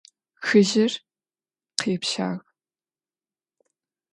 Хыжьыр къепщагъ.